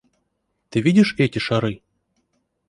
Ты видишь эти шары?